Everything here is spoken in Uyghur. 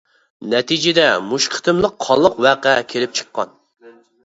نەتىجىدە مۇشۇ قېتىملىق قانلىق ۋەقە كېلىپ چىققان.